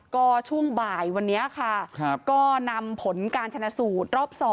ก็ช่วงบ่ายวันนี้ค่ะก็นำผลการชนะสูตรรอบ๒